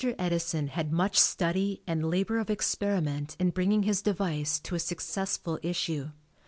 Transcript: Edison had much study and labor of experiment in bringing his device to a successful issue.